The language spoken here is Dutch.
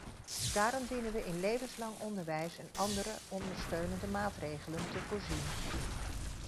Daarom dienen we in levenslang onderwijs en andere ondersteunende maatregelen te voorzien.